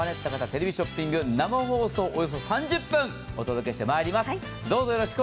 生ショッピング」生放送、およそ３０分お届けしてまいります。